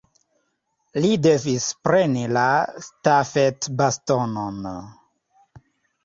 Li devis preni la stafetbastonon.